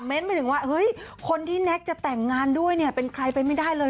ไปถึงว่าเฮ้ยคนที่แน็กจะแต่งงานด้วยเนี่ยเป็นใครไปไม่ได้เลย